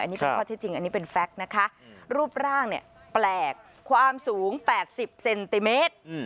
อันนี้เป็นข้อที่จริงอันนี้เป็นแฟคนะคะรูปร่างเนี่ยแปลกความสูง๘๐เซนติเมตร